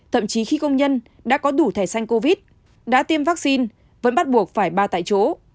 thậm chí khi công nhân đã có đủ thẻ xanh covid đã tiêm vaccine vẫn bắt buộc phải ba tại chỗ